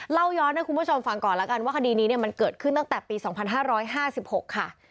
เล่าย้อนให้คุณผู้ชมฟังก่อนแล้วกันว่าคดีนี้มันเกิดขึ้นตั้งแต่ปี๒๕๕๖ค่ะ